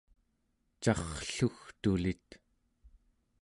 carrlugtulit